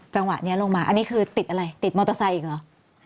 จังหวะนี้ลงมาอันนี้คือติดอะไรติดมอเตอร์ไซค์อีกเหรอ